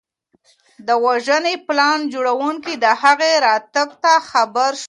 د وژنې پلان جوړونکي د هغه راتګ ته خبر شول.